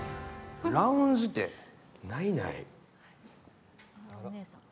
ラウンジてないない。